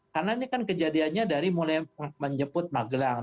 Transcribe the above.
karena ini kan kejadiannya dari mulai menyebut magelang